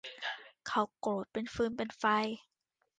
เขาโกรธเป็นฟืนเป็นไฟ